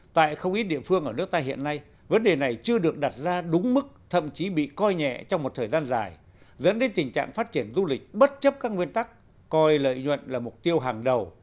tại không ít địa phương ở nước ta hiện nay vấn đề này chưa được đặt ra đúng mức thậm chí bị coi nhẹ trong một thời gian dài dẫn đến tình trạng phát triển du lịch bất chấp các nguyên tắc coi lợi nhuận là mục tiêu hàng đầu